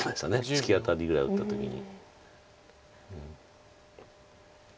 ツキアタリぐらい打った時に。